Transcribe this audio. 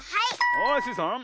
はいスイさん。